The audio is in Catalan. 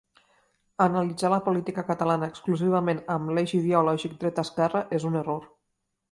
Analitzar la política catalana exclusivament amb l’eix ideològic dreta-esquerra és un error.